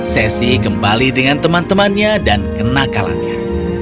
sesi kembali dengan teman temannya dan kenakalannya